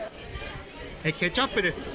ケチャップです。